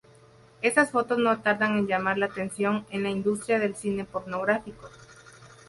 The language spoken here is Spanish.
Esas fotos no tardan en llamar la atención en la industria del cine pornográfico.